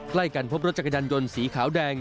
ใกล้กันพบรถจักรยานยนต์สีขาวแดง